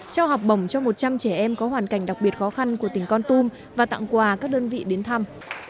trao học bổng cho một trăm linh trẻ em có hoàn cảnh đặc biệt khó khăn của tỉnh con tum và tặng quà các đơn vị đến thăm